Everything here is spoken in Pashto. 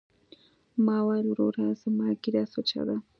ما وويل وروره زما ږيره سوچه ده.